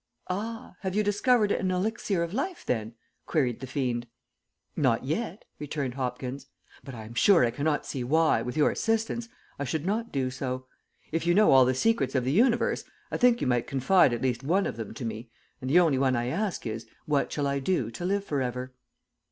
"Ah! Have you discovered an Elixir of Life, then?" queried the fiend. "Not yet," returned Hopkins. "But I am sure I cannot see why, with your assistance, I should not do so. If you know all the secrets of the universe, I think you might confide at least one of them to me, and the only one I ask is, what shall I do to live for ever?"